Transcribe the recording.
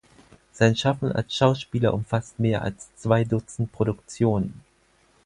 Sein Schaffen als Schauspieler umfasst mehr als zwei Dutzend Produktionen.